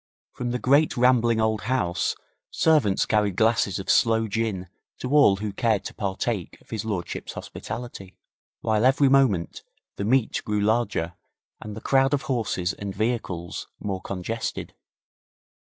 From the great rambling old house servants carried glasses of sloe gin to all who cared to partake of his lordship's hospitality, while every moment the meet grew larger and the crowd of horses and vehicles more congested.